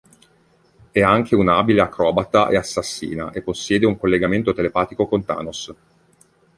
È anche una abile acrobata e assassina e possiede un collegamento telepatico con Thanos.